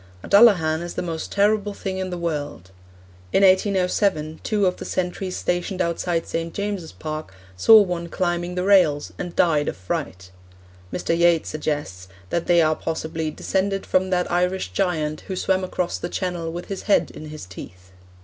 A Dullahan is the most terrible thing in the world. In 1807 two of the sentries stationed outside St. James's Park saw one climbing the railings, and died of fright. Mr. Yeats suggests that they are possibly 'descended from that Irish giant who swam across the Channel with his head in his teeth.'